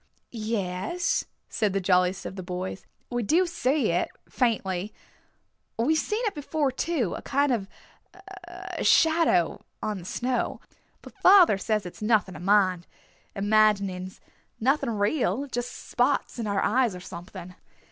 "Yes," said the jolliest of the boys. "We do see it faintly. We've seen it before too, a kind of a shadow on the snow. But father says it's nothing to mind. Imaginings. Nothing real, just spots in our eyes or something."